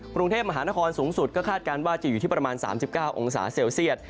กรุงเทพมหานครสูงสุดก็คาดการณ์ว่าจะอยู่ที่ประมาณ๓๙องศาเซลเซียต